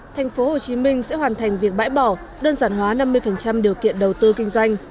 tp hcm sẽ hoàn thành việc bãi bỏ đơn giản hóa năm mươi điều kiện đầu tư kinh doanh